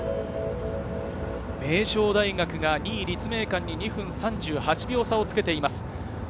名城大学が２位、立命館に２分３８秒差をつけています。